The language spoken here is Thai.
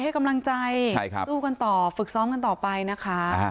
ให้กำลังใจสู้กันต่อฝึกซ้อมกันต่อไปนะคะ